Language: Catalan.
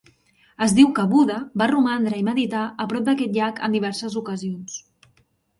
Es diu que Buda va romandre i meditar a prop d'aquest llac en diverses ocasions.